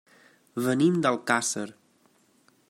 Venim d'Alcàsser.